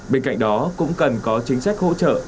bên cạnh đó cũng cần có chính sách hỗ trợ